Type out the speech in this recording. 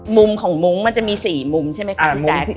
มุมของมุ้งมันจะมี๔มุมใช่ไหมคะพี่แจ๊ค